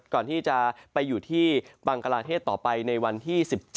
ก่อนที่จะไปอยู่ที่บังกลาเทศต่อไปในวันที่๑๗